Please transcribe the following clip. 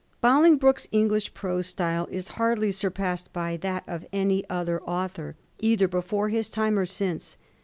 Bolingbroke's English prose style is hardly surpassed by that of any other author, either before his time or since.